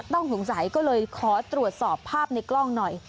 ต้องสงสัยก็เลยขอตรวจสอบภาพในกล้องหน่อย